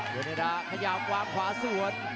เยอร์เนด่าขยับวางขวาสวด